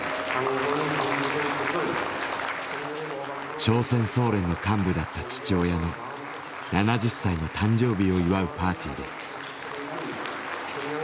朝鮮総連の幹部だった父親の７０歳の誕生日を祝うパーティーです。